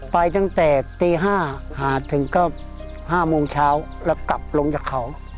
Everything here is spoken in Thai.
ไปตั้งแต่ตี๕หาถึงก็๕โมงเช้าแล้วกลับลงจากเขา